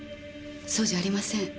そうじゃありません。